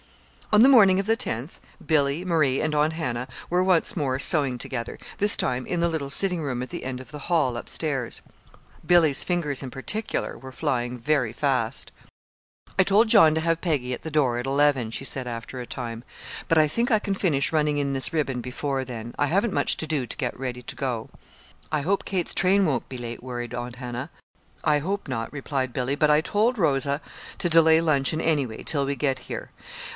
On the morning of the tenth, Billy, Marie, and Aunt Hannah were once more sewing together, this time in the little sitting room at the end of the hall up stairs. Billy's fingers, in particular, were flying very fast. "I told John to have Peggy at the door at eleven," she said, after a time; "but I think I can finish running in this ribbon before then. I haven't much to do to get ready to go." "I hope Kate's train won't be late," worried Aunt Hannah. "I hope not," replied Billy; "but I told Rosa to delay luncheon, anyway, till we get here.